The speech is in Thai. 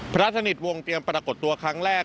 พระสนิทวงศ์เตรียมปรากฏตัวครั้งแรก